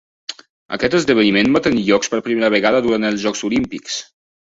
Aquest esdeveniment va tenir lloc per primera vegada durant els Jocs Olímpics.